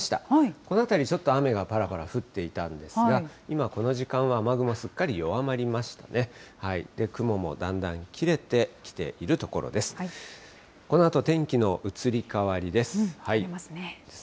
この辺りにちょっと雨がぱらぱら降っていたんですが、今、この時間は雨雲すっかり弱まりまして、雲もだんだん切れてきているところです。